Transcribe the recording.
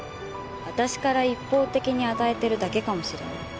私から一方的に与えてるだけかもしれない。